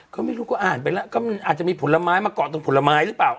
เขาไม่รู้ก็อ่านไปแล้วก็มันอาจจะมีผลไม้มาเกาะตรงผลไม้หรือเปล่า